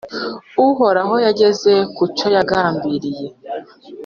Uhoraho yageze ku cyo yagambiriye,